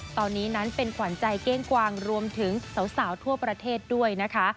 ตอนนี้นั้นเป็นขวัญใจเก้งกวางรวมถึงสาวทั่วประเทศด้วยนะคะ